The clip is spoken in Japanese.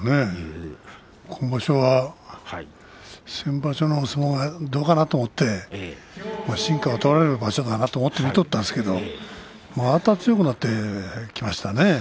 今場所は先場所の相撲どうかなと思って真価が問われる場所だなと思って見とったんですけれどまた強くなってきましたね。